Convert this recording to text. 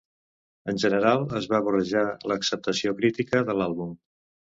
En general, es va barrejar l'acceptació crítica de l'àlbum.